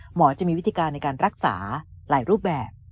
หมอจะมีวิธีการในการรักษาหลายรูปแบบ